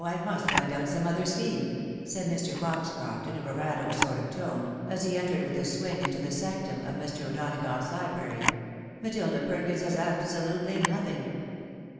— ^I must find out some other scheme," said Mr. Foxcroft, in a bravado sort of tone, as he entered with a swing into the sanctum of Mr. O'Donagough's hbrary, " Matilda Perkins has absolutely nothing."